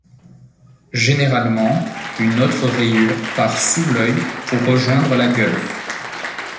Généralement une autre rayure part sous l’œil pour rejoindre la gueule.